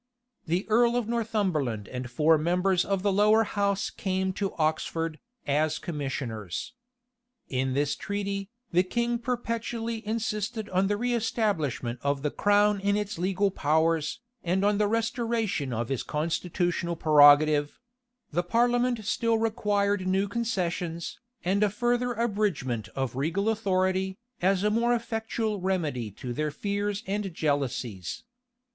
The earl of Northumberland and four members of the lower house came to Oxford, as commissioners.[] In this treaty, the king perpetually insisted on the reëstablishment of the crown in its legal powers, and on the restoration of his constitutional prerogative:[] the parliament still required new concessions, and a further abridgment of regal authority, as a more effectual remedy to their fears and jealousies.